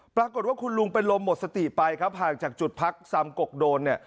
ปรากฏว่าคุณลุงเป็นลมหมดสติไปครับห่างจากจุดพักซำกกโดนเนี่ย